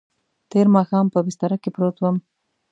تېر ماښام په بستره کې پروت وم.